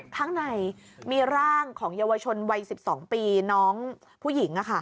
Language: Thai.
ข้างในมีร่างของเยาวชนวัย๑๒ปีน้องผู้หญิง